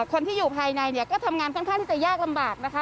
คนที่อยู่ภายในเนี่ยก็ทำงานค่อนข้างที่จะยากลำบากนะคะ